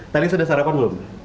tadi sudah sarapan belum